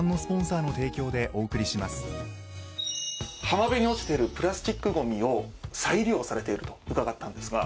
浜辺に落ちてるプラスチックごみを再利用されていると伺ったんですが。